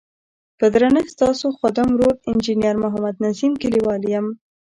په درنښت ستاسو خادم ورور انجنیر محمد نظیم کلیوال یم.